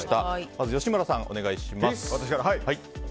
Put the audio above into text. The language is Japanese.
まず吉村さん、お願いします。